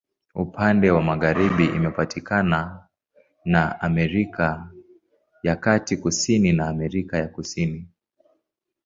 Upande wa magharibi imepakana na Amerika ya Kati, kusini na Amerika ya Kusini.